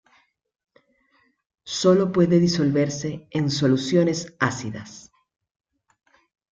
Sólo puede disolverse en soluciones ácidas.